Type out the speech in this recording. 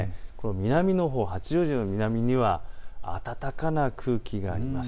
南のほう、八丈島の南には暖かな空気があります。